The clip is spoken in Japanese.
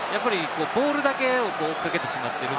ボールだけを追っかけてしまっている。